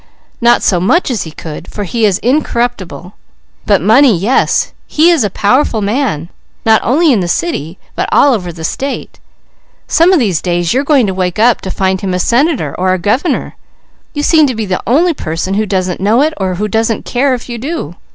Not so much as he could, for he is incorruptible; but money, yes! He is a powerful man, not only in the city, but all over the state. Some of these days you're going to wake up to find him a Senator, or Governor. You seem to be the only person who doesn't know it, or who doesn't care if you do.